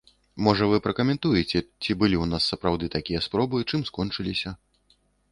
Можа, вы пракаментуеце, ці былі ў нас сапраўды такія спробы, чым скончыліся.